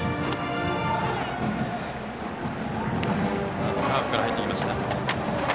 まずカーブから入りました。